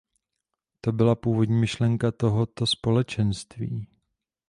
To byla původní myšlenka tohoto Společenství.